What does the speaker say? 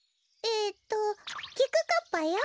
えっときくかっぱよ。